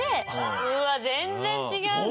うわっ全然違うね。